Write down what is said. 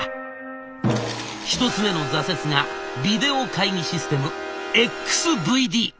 １つ目の挫折がビデオ会議システム「ＸＶＤ」。